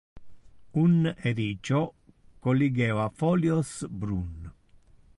Un ericio colligeva folios brun.